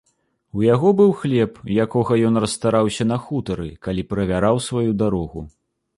У яго быў хлеб, якога ён расстараўся на хутары, калі правяраў сваю дарогу.